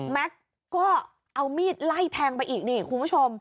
ก็เอามีดไล่แทงไปอีกนี่คุณผู้ชม